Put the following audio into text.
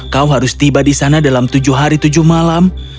kau harus tiba di sana dalam tujuh hari tujuh malam